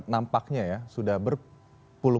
nampaknya ya sudah berpulih